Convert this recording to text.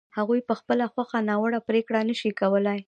هغوی په خپله خوښه ناوړه پرېکړه نه شي کولای.